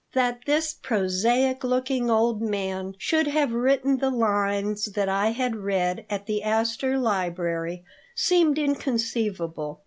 That this prosaic looking old man should have written the lines that I had read at the Astor Library seemed inconceivable.